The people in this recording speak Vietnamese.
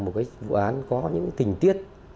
một cái vụ án có những tình tiết